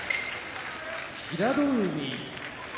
平戸海